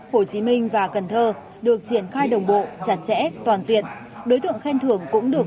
hồ chí minh và cần thơ được triển khai đồng bộ chặt chẽ toàn diện đối tượng khen thưởng cũng được